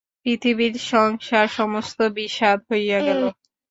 পৃথিবী সংসার সমস্ত বিস্বাদ হইয়া গেল।